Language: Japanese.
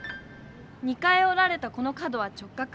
２回おられたこの角は直角。